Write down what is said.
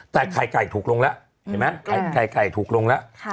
แต่ไข่ไก่ถูกลงละใช่มะไข่ไก่ถูกลงละค่ะ